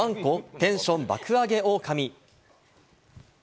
テンション爆上げオオカミ。